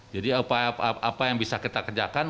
jadi apa yang bisa kita kerjakan